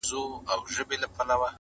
• اسمان ته مي خاته ناسوني نه دی,